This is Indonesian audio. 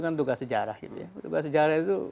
kan tugas sejarah gitu ya tugas sejarah itu